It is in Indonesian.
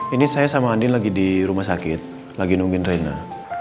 ini saya sama andi lagi di rumah sakit lagi nungguin rena